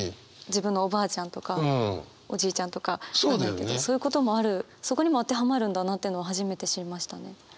自分のおばあちゃんとかおじいちゃんとかそういうこともあるそこにも当てはまるんだなというのは初めて知りましたね。